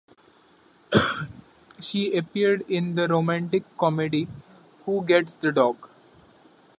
She appeared in the romantic comedy Who Gets the Dog?